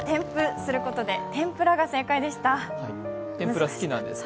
天ぷら好きなんですか？